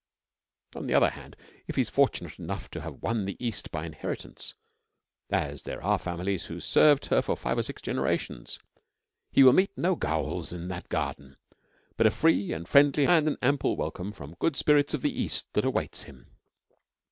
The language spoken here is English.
On the other hand, if he is fortunate enough to have won the East by inheritance, as there are families who served her for five or six generations, he will meet no ghouls in that garden, but a free and a friendly and an ample welcome from good spirits of the East that awaits him.